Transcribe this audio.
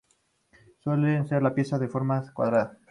Suelen ser piezas de forma cuadrada.